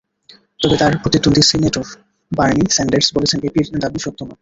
তবে তাঁর প্রতিদ্বন্দ্বী সিনেটর বার্নি স্যান্ডার্স বলেছেন, এপির দাবি সত্য নয়।